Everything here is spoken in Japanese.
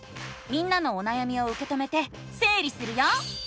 みんなのおなやみをうけ止めてせい理するよ！